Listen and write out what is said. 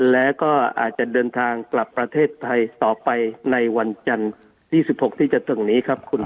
แล้วก็อาจจะเดินทางกลับประเทศไทยต่อไปในวันจันทร์ที่๑๖ที่จะถึงนี้ครับคุณ